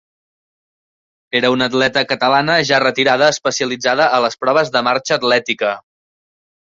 Era una atleta catalana, ja retirada, especialitzada a les proves de marxa atlètica.